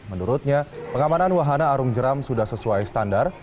menurutnya pengamanan wahana arung jeram sudah sesuai standar